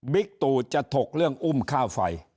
ตู่จะถกเรื่องอุ้มค่าไฟ